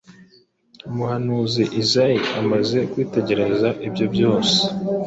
Umuhanuzi Izayi amaze kwitegereza ibyo byose,